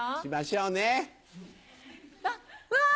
うわ！